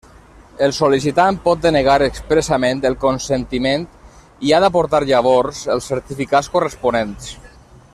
El sol·licitant pot denegar expressament el consentiment i ha d'aportar llavors els certificats corresponents.